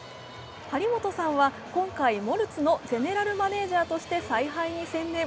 張本さんは今回、モルツのゼネラルマネージャーとして采配に専念。